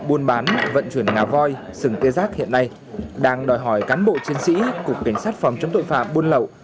buôn bán vận chuyển ngà voi sừng tê giác hiện nay đang đòi hỏi cán bộ chiến sĩ cục cảnh sát phòng chống tội phạm buôn lậu